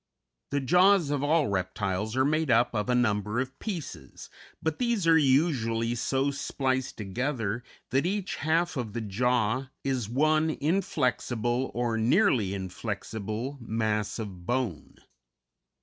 The jaws of all reptiles are made up of a number of pieces, but these are usually so spliced together that each half of the jaw is one inflexible, or nearly inflexible, mass of bone.